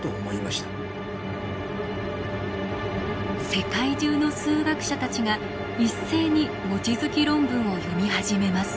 世界中の数学者たちが一斉に望月論文を読み始めます。